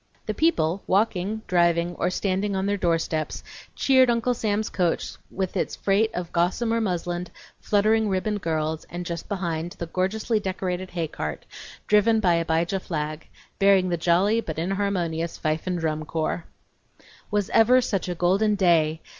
The people, walking, driving, or standing on their doorsteps, cheered Uncle Sam's coach with its freight of gossamer muslined, fluttering ribboned girls, and just behind, the gorgeously decorated haycart, driven by Abijah Flagg, bearing the jolly but inharmonious fife and drum corps. Was ever such a golden day!